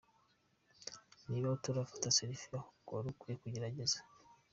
Niba utarafata Selfie ahubwo warukwiye kugerageza!.